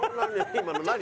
今の何？